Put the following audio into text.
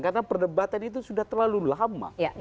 karena perdebatan itu sudah terlalu lama